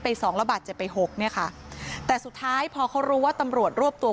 สองระบาดเจ็บไปหกเนี่ยค่ะแต่สุดท้ายพอเขารู้ว่าตำรวจรวบตัว